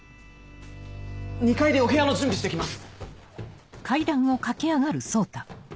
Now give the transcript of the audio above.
２階でお部屋の準備して来ます！